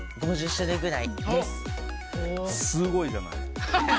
すごいじゃない。